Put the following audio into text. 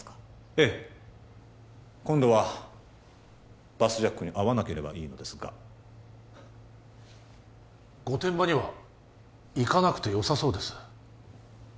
ええ今度はバスジャックに遭わなければいいのですが御殿場には行かなくてよさそうです